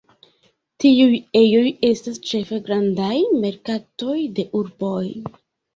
Tiuj ejoj estas ĉefe grandaj merkatoj de urboj.